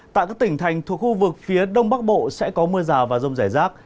tại các tỉnh thành thuộc khu vực phía đông bắc bộ sẽ có mưa rào và rông rải rác